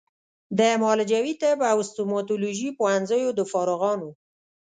د معالجوي طب او ستوماتولوژي پوهنځیو د فارغانو